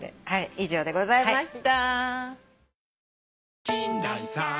以上でございました。